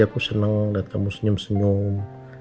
aku seneng liat kamu senyum senyum